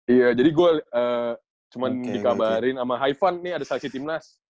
iya jadi gue cuma dikabarin sama haifan nih ada seleksi timnas